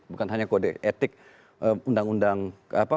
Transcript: bukan hanya kode etik undang undang apa